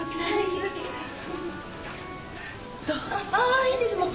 いいんですもう。